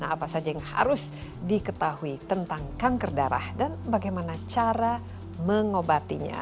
apa saja yang harus diketahui tentang kanker darah dan bagaimana cara mengobatinya